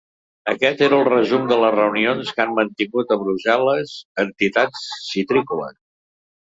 Aquest era el resum de les reunions que han mantingut a Brussel·les entitats citrícoles.